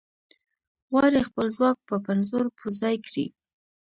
غواړي خپل ځواک په پنځو روپو ځای کړي.